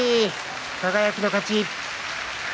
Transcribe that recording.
輝の勝ち。